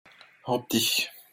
Hab dich!